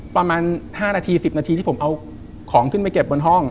ประมาณ๕นาที๑๐นาทีที่ผมเอาของขึ้นไปเก็บบนห้อง